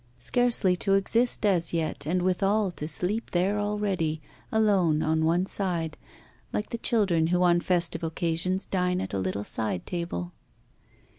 Scarcely to exist as yet, and withal to sleep there already, alone, on one side, like the children who on festive occasions dine at a little side table!